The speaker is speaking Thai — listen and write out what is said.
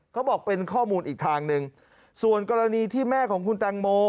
เขาบอกเป็นข้อมูลอีกทางหนึ่งส่วนกรณีที่แม่ของคุณแตงโม